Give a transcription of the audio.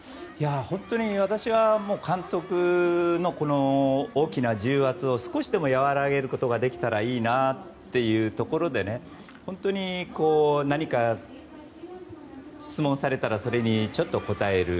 本当に私は監督のこの大きな重圧を少しでも和らげることができたらいいなというところで本当に何か、質問されたらそれにちょっと答える。